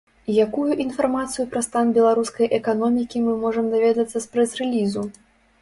І якую інфармацыю пра стан беларускай эканомікі мы можам даведацца з прэс-рэлізу?